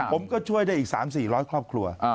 ผมก็ช่วยได้อีกสามสี่ร้อยครอบครัว